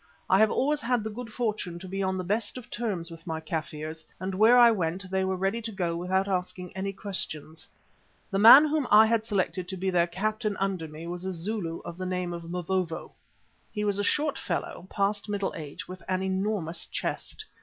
I have always had the good fortune to be on the best of terms with my Kaffirs, and where I went they were ready to go without asking any questions. The man whom I had selected to be their captain under me was a Zulu of the name of Mavovo. He was a short fellow, past middle age, with an enormous chest.